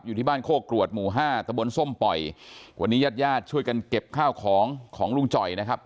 อยู่ที่บ้านโคกรวดหมู่ห้าตะบนส้มปล่อยวันนี้ญาติญาติช่วยกันเก็บข้าวของของลุงจ่อยนะครับ